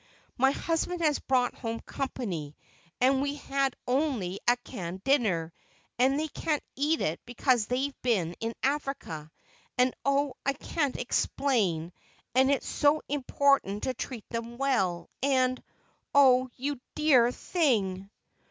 My husband has brought home company, and we had only a canned dinner, and they can't eat it because they've been in Africa—and, oh, I can't explain. And it's so important to treat them well, and—oh, you dear thing!"